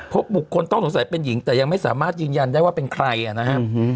พบบุคคลต้องสงสัยเป็นหญิงแต่ยังไม่สามารถยืนยันได้ว่าเป็นใครนะครับ